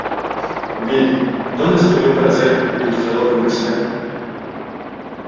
Bill, donde estudió para ser ilustrador comercial.